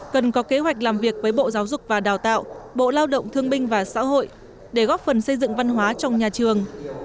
cần có kế hoạch làm việc với bộ giáo dục và đào tạo bộ lao động thương binh và xã hội để góp phần xây dựng văn hóa trong nhà trường